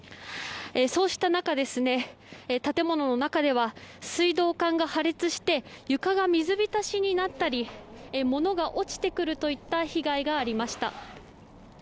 そうした中、建物の中では水道管が破裂して床が水浸しになったり物が落ちてくるといった被害がありました。